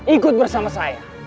ikut bersama saya